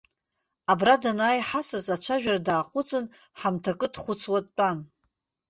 Абра данааи ҳасас, ацәажәара дааҟәыҵын, ҳамҭакы дхәыцуа дтәан.